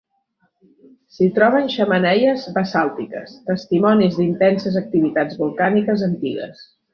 S'hi troben xemeneies basàltiques, testimonis d'intenses activitats volcàniques antigues.